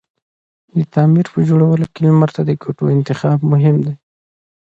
د تعمير په جوړولو کی لمر ته کوتو انتخاب مهم دی